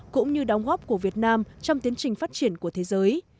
cũng như đóng góp của việt nam trong tiến trình phát triển của thế giới